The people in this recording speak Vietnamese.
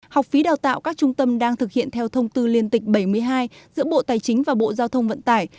học phí đào tạo các trung tâm đang thực hiện theo thông tư liên tịch bảy mươi hai giữa bộ tài chính và bộ giao thông vận tải